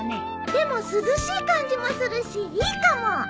でも涼しい感じもするしいいかも。